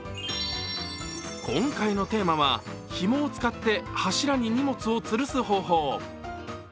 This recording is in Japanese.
今回のテーマは「ひもを使って柱に荷物をつるす方法」。